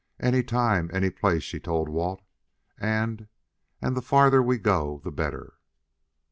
"Any time any place!" she told Walt. "And and the farther we go the better!"